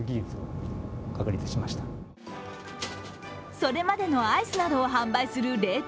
それまでのアイスなどを販売する冷凍